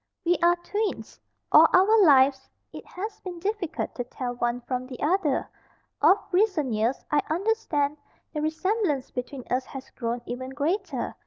"We are twins. All our lives it has been difficult to tell one from the other. Of recent years, I understand, the resemblance between us has grown even greater.